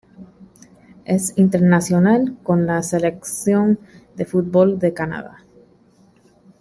Es internacional con la Selección de fútbol de Canadá.